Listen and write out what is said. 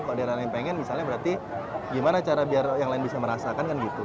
kalau daerah lain pengen misalnya berarti gimana cara biar yang lain bisa merasakan kan gitu